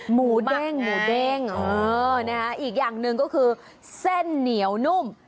หมูเด้งหมูเด้งอีกอย่างหนึ่งก็คือเส้นเหนียวนุ่ม